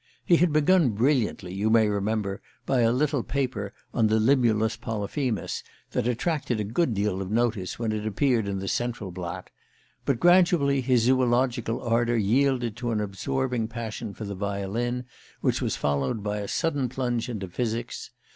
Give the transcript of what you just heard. He had begun brilliantly, you may remember, by a little paper on Limulus Polyphemus that attracted a good deal of notice when it appeared in the Central Blatt; but gradually his zoological ardour yielded to an absorbing passion for the violin, which was followed by a sudden plunge into physics.